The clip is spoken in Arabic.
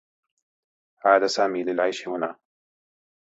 عاد سامي للعيش هنا.